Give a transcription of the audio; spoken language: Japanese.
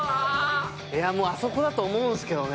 いやもうあそこだと思うんですけどね。